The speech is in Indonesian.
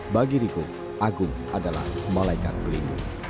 bagi riko agung adalah malaikat pelindung